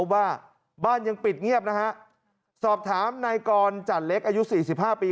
ว่าบ้านยังปิดเงียบนะฮะสอบถามนายกรจันเล็กอายุสี่สิบห้าปี